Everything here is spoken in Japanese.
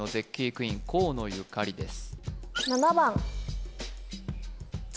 クイーン河野ゆかりです